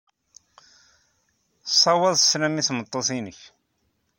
Ssawaḍ sslam i tmeṭṭut-nnek.